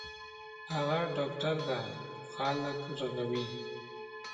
هغه ډاکټر ده او خلک رغوی